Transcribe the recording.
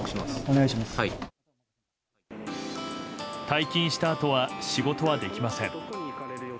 退勤したあとは仕事はできません。